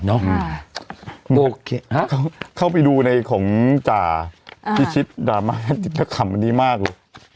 โอเคครับเข้าไปดูในของจ่าพี่ชิดดรามะและกล่ามดีมากเลย